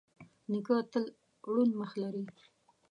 نیکه تل روڼ مخ لري.